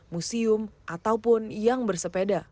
museum ataupun yang bersepeda